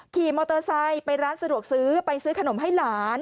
ขี่มอเตอร์ไซค์ไปร้านสะดวกซื้อไปซื้อขนมให้หลาน